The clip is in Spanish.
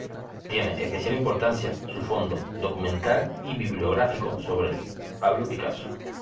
Tiene especial importancia su fondo documental y bibliográfico sobre Pablo Picasso.